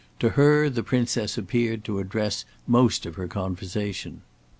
To her the Princess appeared to address most of her conversation."